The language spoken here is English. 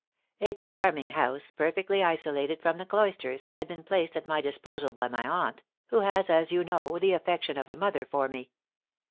A charming house, perfectly isolated from the cloisters, had been placed at my disposal by my aunt, who has, as you know, the affection of a mother for me.